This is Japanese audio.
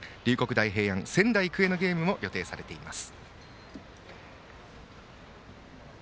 大平安、仙台育英のゲームも予定されています。